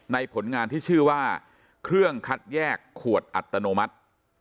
ผลงานที่ชื่อว่าเครื่องคัดแยกขวดอัตโนมัติ